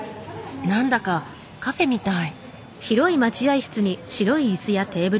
何だかカフェみたい。